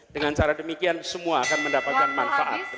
dengan cara demikian semua akan mendapatkan manfaat